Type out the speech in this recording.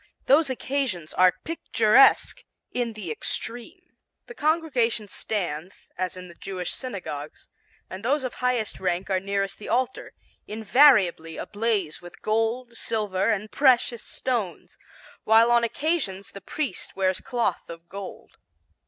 Those occasions are picturesque in the extreme. The congregation stands, as in the Jewish synagogues, and those of highest rank are nearest the altar, invariably ablaze with gold, silver and precious stones, while on occasions the priest wears cloth of gold.